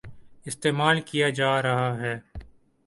استعمال کیا جارہا ہے ۔